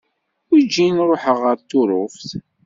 Weǧin ruḥeɣ ɣer Tuṛuft.